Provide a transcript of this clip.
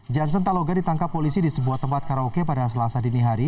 johnson taloga ditangkap polisi di sebuah tempat karaoke pada selasa dini hari